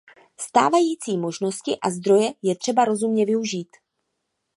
Stávající možnosti a zdroje je třeba rozumně využít.